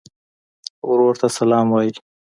ورور ته سلام وایې.